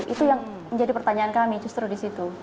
itu yang menjadi pertanyaan kami justru di situ